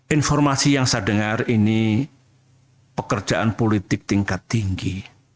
informasi yang saya dengar ini pekerjaan politik tingkat tinggi